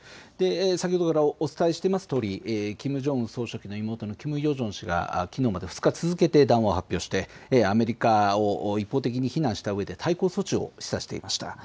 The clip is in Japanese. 先ほどからお伝えしていますとおりキム・ジョンウン総書記の妹のキム・ヨジョン氏がきのうまで２日続けて談話を発表してアメリカを一方的に非難したうえで対抗措置を示唆していました。